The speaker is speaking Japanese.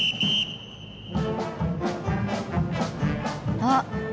あっ！